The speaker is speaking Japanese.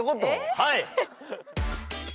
はい！